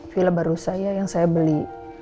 film baru saya yang saya beli